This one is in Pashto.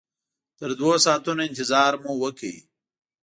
تر دوو ساعتونو انتظار مو وکړ.